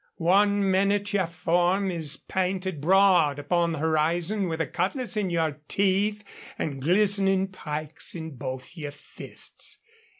One minute your form is painted broad upon the horizon with a cutlass in your teeth, an' glistenin' pikes in both your fists.